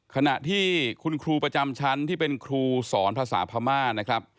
ขณะที่คุณครูประจำชั้นที่เป็นครูสอนภาษาพม่านะครับ